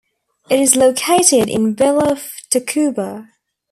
It is located in Villa of Tacuba.